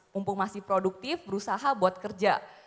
mumpung masih produktif berusaha buat kerja